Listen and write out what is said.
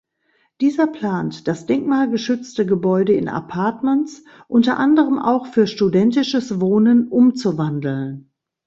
Dieser plant, das denkmalgeschützte Gebäude in Apartments unter anderem auch für studentisches Wohnen umzuwandeln.